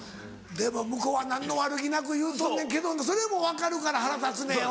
でも向こうは何の悪気なく言うとんねんけどそれも分かるから腹立つねん。